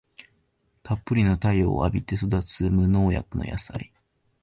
たっぷりの太陽を浴びて育つ無農薬の野菜